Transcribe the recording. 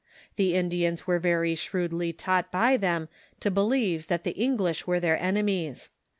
The Indians were very shrewdly taught by them to believe that the English were their enemies.